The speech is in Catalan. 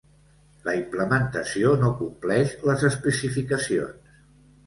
La implementació no compleix les especificacions.